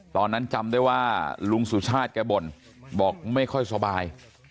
จำได้ว่าลุงสุชาติแกบ่นบอกไม่ค่อยสบาย